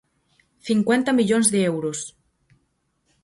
Cincuenta millóns de euros.